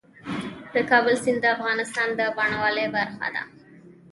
د کابل سیند د افغانستان د بڼوالۍ برخه ده.